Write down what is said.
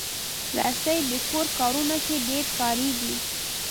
رسۍ د کور کارونو کې ډېره کارېږي.